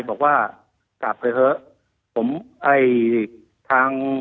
บอกว่ากลับไปเถอะผมไอ้ทาง